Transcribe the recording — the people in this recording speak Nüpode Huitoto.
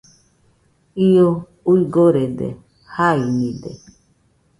Io uigorede, jainide,